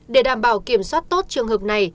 để đảm bảo kiểm soát tốt trường hợp này